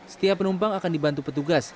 setiap penumpang akan dibantu petugas